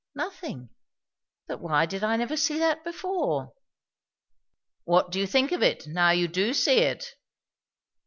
Nothing. But why did I never see that before?" "What do you think of it, now you do see it?"